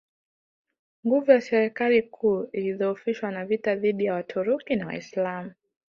Nguvu ya serikali kuu ilidhoofishwa na vita dhidi ya Waturuki na Waislamu